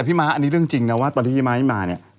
ม้าอันนี้เรื่องจริงนะว่าตอนที่พี่ม้ามาเนี่ย